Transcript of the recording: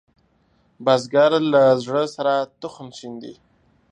بزګر له زړۀ سره تخم شیندي